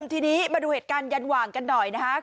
ทีนี้มาดูเหตุการณ์ยันหว่างกันหน่อยนะครับ